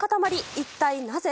一体なぜ？